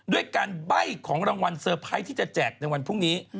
ด้วยการใบ้ของรางวัลเซอร์ไพรส์ที่จะแจกในวันพรุ่งนี้